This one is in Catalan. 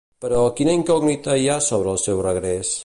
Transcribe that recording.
Però, quina incògnita hi ha sobre el seu regrés?